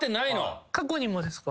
過去にもですか？